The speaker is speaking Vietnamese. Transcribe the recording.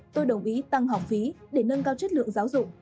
tôi đồng ý tăng học phí để nâng cao chất lượng giáo dục